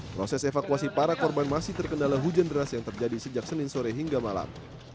proses evakuasi para korban masih terkendala hujan deras yang terjadi sejak senin sore hingga malam